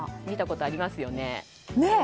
見たことありますよね。